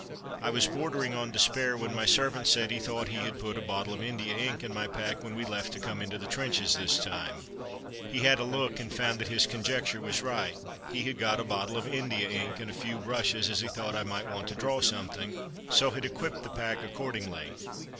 I was bordering on despair, when my servant said he thought he had put a bottle of Indian ink in my pack when we left to come into the trenches this time. He had a look, and found that his conjecture was right; he had got a bottle of Indian ink and a few brushes, as he thought I might want to draw something, so had equipped the pack accordingly.